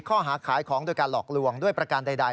ขายของโดยการหลอกลวงด้วยประการใด